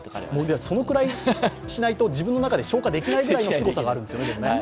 そのくらいしないと自分の中で消化できないぐらいのすごさがあるんですよね。